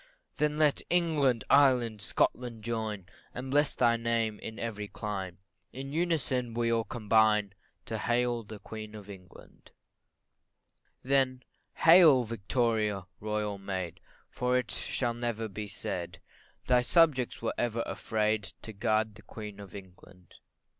Then let England, Ireland, Scotland, join, And bless thy name in every clime In unison we all combine To hail the Queen of England. CHORUS Then hail, Victoria! Royal Maid, For it never shall be said, Thy subjects ever were afraid To guard the Queen of England.